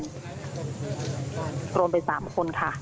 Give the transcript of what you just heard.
โดนไป๓คนค่ะ